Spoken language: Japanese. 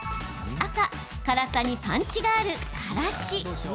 赤・辛さにパンチがある、からし。